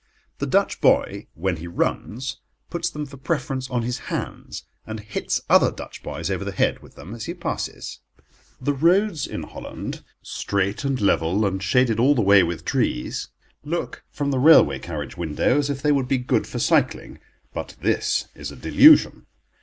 The Dutch boy, when he runs, puts them for preference on his hands, and hits other Dutch boys over the head with them as he passes. The roads in Holland, straight and level, and shaded all the way with trees, look, from the railway carriage window, as if they would be good for cycling; but this is a delusion.